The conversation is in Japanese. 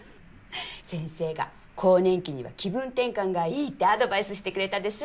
先生が更年期には気分転換がいいってアドバイスしてくれたでしょ。